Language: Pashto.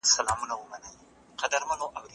وزیران به په ټولنه کي عدالت تامین کړي.